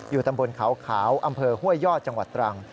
อยู่ตำบลเขาอำเภอห้วยย่อจังหวัดตรัง